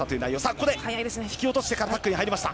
ここで引き落としてからタックルに入りました。